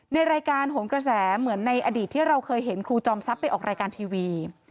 ในรายการโหนกระแสเหมือนในอดีตที่เราเคยเห็นครูจอมทรัพย์ไปออกรายการทีวี